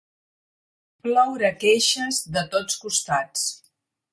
Ploure queixes de tots costats.